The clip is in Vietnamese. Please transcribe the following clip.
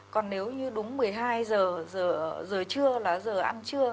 còn nếu như đúng một mươi hai giờ trưa là giờ ăn trưa